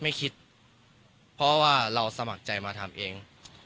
ไม่คิดเพราะว่าเราสมัครใจมาทำเอง